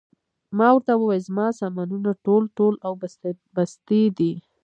ما ورته وویل: زما سامانونه ټول، ټول او بستې دي.